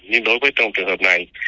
nhưng đối với trong trường hợp này